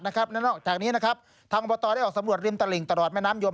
และนอกจากนี้นะครับทางอบตได้ออกสำรวจริมตลิ่งตลอดแม่น้ำยม